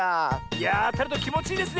いやああたるときもちいいですね